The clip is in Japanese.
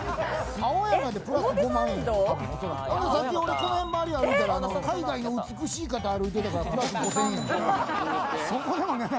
さっき、この辺周り歩いたら海外の美しい方が歩いてたからプラス５０００円。